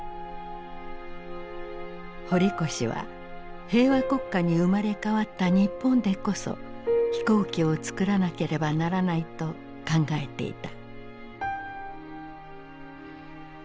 堀越は平和国家に生まれ変わった日本でこそ飛行機をつくらなければならないと考えていた。